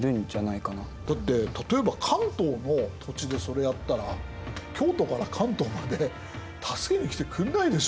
だって例えば関東の土地でそれやったら京都から関東まで助けに来てくんないでしょう？